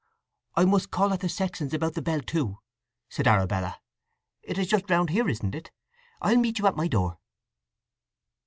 "I must call at the sexton's about the bell, too," said Arabella. "It is just round here, isn't it? I'll meet you at my door."